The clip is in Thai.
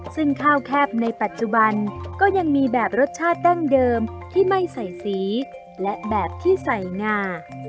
ซึ่งข้าวแคบในปัจจุบันก็ยังมีแบบรสชาติดั้งเดิมที่ไม่ใส่สีและแบบที่ใส่งา